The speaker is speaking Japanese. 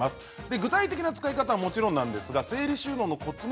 具体的な使い方はもちろんですが整理収納のコツも